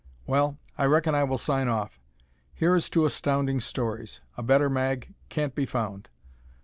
Well, reckon I will sign off. Here is to Astounding Stories. A better mag can't be found!